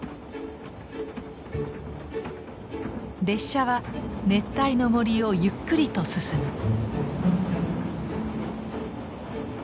列車は熱帯の森をゆっくりと進む。